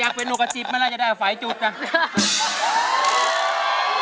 อยากเป็นนกกระจิ๊บไม่ละจะได้ไฟจุดกัน